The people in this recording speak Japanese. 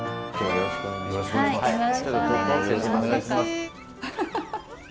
よろしくお願いします。